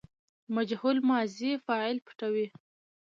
مجهول ماضي فاعل پټوي.